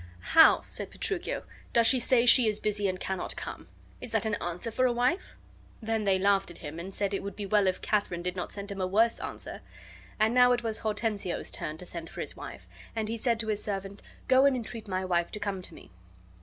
"How," said Petruchio, "does she say she is busy and cannot come? Is that an answer for a wife?" Then they laughed at him, and said it would be well if Katharine did not send him a worse answer. And now it was Hortensio's turn to send for his wife; and be said to his servant, "Go, and entreat my wife to come to me."